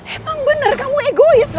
emang bener kamu egois loh